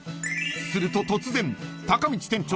［すると突然］